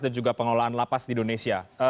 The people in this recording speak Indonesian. dan juga pengelolaan lapas di indonesia